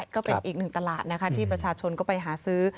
ก็เป็นอีกหนึ่งตลาดนะคะที่ประชาชนก็ไปหาซื้อ